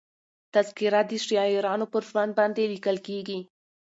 تذکره د شاعرانو پر ژوند باندي لیکل کېږي.